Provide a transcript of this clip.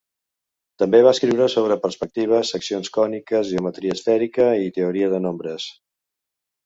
També va escriure sobre perspectiva, seccions còniques, geometria esfèrica i teoria de nombres.